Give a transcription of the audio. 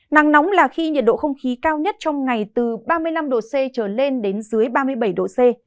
nắng nóng là khi nhiệt độ không khí cao nhất trong ngày từ ba mươi năm độ c trở lên đến dưới ba mươi bảy độ c